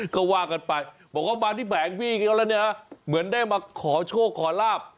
ก็ว่ากันไปบอกว่ามาที่แผงพี่เหมือนได้มาขอโชคขอราบ